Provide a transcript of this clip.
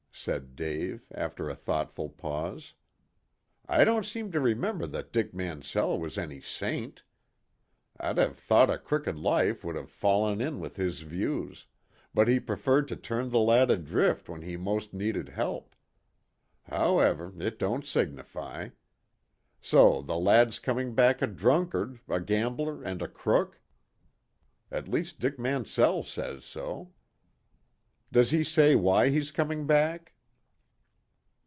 said Dave, after a thoughtful pause. "I don't seem to remember that Dick Mansell was any saint. I'd have thought a crooked life would have fallen in with his views, but he preferred to turn the lad adrift when he most needed help. However, it don't signify. So the lad's coming back a drunkard, a gambler and a crook? At least Dick Mansell says so. Does he say why he's coming back?"